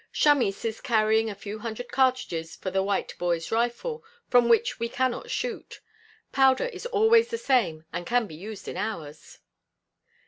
"Chamis is carrying a few hundred cartridges for the white boy's rifle, from which we cannot shoot. Powder is always the same and can be used in ours."